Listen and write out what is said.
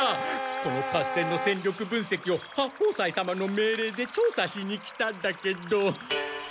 この合戦の戦力分せきを八方斎様のめい令でちょうさしに来たんだけど。